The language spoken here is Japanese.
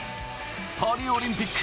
パリオリンピック